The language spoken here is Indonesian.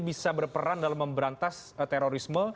bisa berperan dalam memberantas terorisme